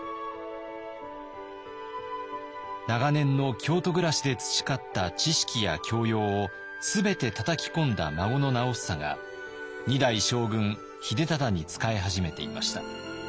長年の京都暮らしで培った知識や教養を全てたたき込んだ孫の直房が二代将軍秀忠に仕え始めていました。